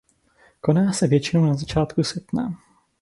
Koná se většinou na začátku srpna.